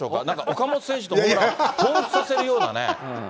岡本選手のホームランをほうふつさせるようなね。